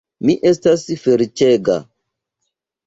Mi estas feliĉega.